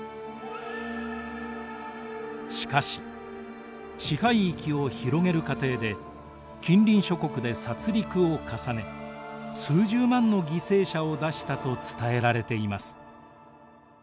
しかし支配域を広げる過程で近隣諸国で殺りくを重ね数十万の犠牲者を出したと伝えられています。